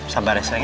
sabar ya sayang ya